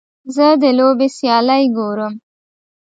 زه د لوبې سیالۍ ګورم.